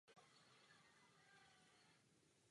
V počtu obyvatel je ve Švédsku na desátém místě.